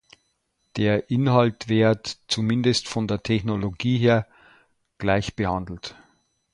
Der Inhalt wird, zumindest von der Technologie her, gleich behandelt.